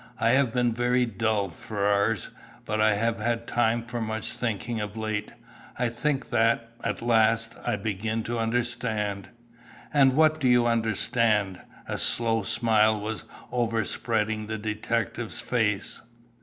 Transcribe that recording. "I have been very dull, Ferrars, but I have had time for much thinking of late. I think that, at last, I begin to understand." "And what do you understand?" A slow smile was overspreading the detective's face.